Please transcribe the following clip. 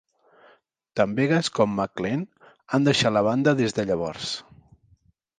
Tant Vegas com MacLean han deixat la banda des de llavors.